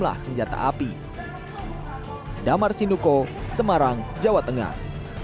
naik sebesar tiga puluh miliar dan sejumlah senjata api